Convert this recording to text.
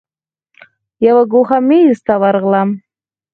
یو ګوښه میز ته ورغلم.